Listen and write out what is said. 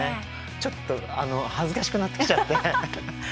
ちょっと恥ずかしくなってきちゃって。